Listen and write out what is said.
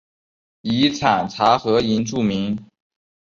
以产茶和银著名。